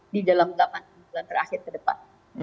di dalam delapan bulan terakhir ke depan